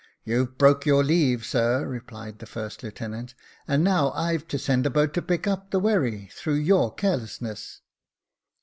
" You've broke your leave, sir," replied the first lieu tenant, " and now I've to send a boat to pick up the wherry through your carelessness."